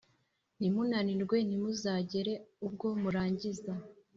ntimunanirwe, ntimuzagera ubwo murangiza.